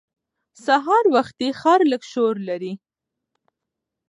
سهار وختي ښار لږ شور لري